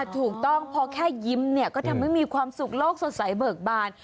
ถูกต้องพอแค่ยิ้มเนี่ยก็ทำให้มีความสุขโลกสดใสเบิกบาน